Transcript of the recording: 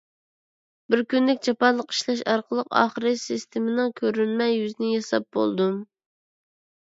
بىر كۈنلۈك جاپالىق ئىشلەش ئارقىلىق ئاخىرى سىستېمىنىڭ كۆرۈنمە يۈزىنى ياساپ بولدۇم.